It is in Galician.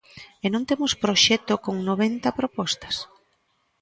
¿E non temos proxecto con noventa propostas?